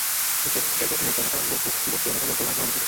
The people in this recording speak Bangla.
ডেট্রয়েট মেট্রো এলাকার বহু বসতি এলাকায় লোকজন বাড়ি ফেলে অন্যত্র চলে যান।